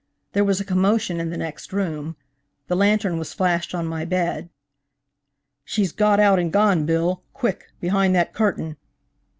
There was a commotion in the next room; the lantern was flashed on my bed. "She's got out and gone, Bill, quick, behind that curtain!"